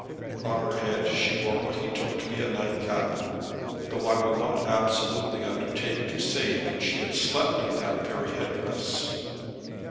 On her head she wore what he took to be a nightcap, though I will not absolutely undertake to say that she had slept in that very head dress.